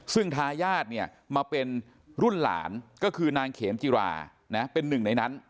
ซึ่งทายาทเนี่ยมาเป็นรุ่นหลานก็คือนางเขมจิราเป็นหนึ่งในนั้น